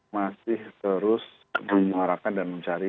masih terus menyuarakan dan mencari